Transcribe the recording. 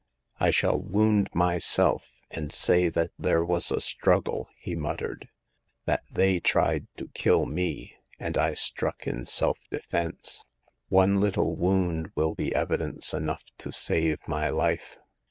I shall wound myself, and say that there was a struggle,'* he muttered ;" that they tried to kill me, and I struck in self defense. One little wound will be evidence enough to save my life."